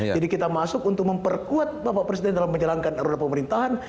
jadi kita masuk untuk memperkuat bapak presiden dalam menjalankan erulah pemerintahan